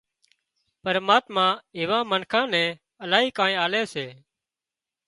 پرماتما ايوان منکان نين الاهي ڪانئين آلي سي